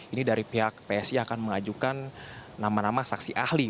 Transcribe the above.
ini dari pihak psi akan mengajukan nama nama saksi ahli